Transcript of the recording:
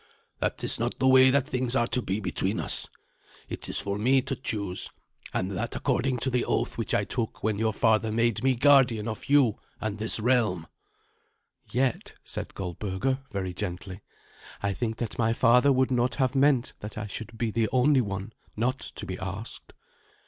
That is not the way that things are to be between us. It is for me to choose, and that according to the oath which I took when your father made me guardian of you and his realm." "Yet," said Goldberga very gently, "I think that my father would not have meant that I should be the only one not to be asked."